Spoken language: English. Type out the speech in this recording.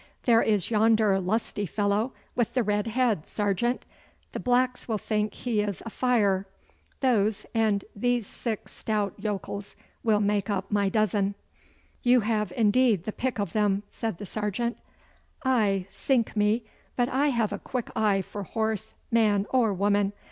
There is yonder lusty fellow with the red head, sergeant! The blacks will think he is a fire. Those, and these six stout yokels, will make up my dozen.' 'You have indeed the pick of them,' said the sergeant. 'Aye, sink me, but I have a quick eye for horse, man, or woman!